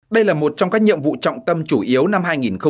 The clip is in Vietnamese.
đây là một trong các nhiệm vụ trọng tâm chủ yếu năm hai nghìn một mươi chín